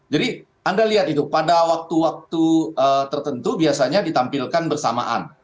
jadi anda lihat itu pada waktu waktu tertentu biasanya ditampilkan bersamaan